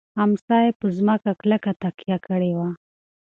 امسا یې په مځکه کلکه تکیه کړې وه.